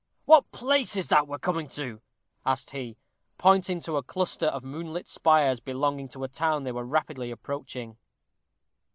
"What place is that we're coming to?" asked he, pointing to a cluster of moonlit spires belonging to a town they were rapidly approaching.